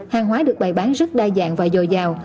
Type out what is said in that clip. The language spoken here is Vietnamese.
hàng hóa được bày bán rất đa dạng và dồi dào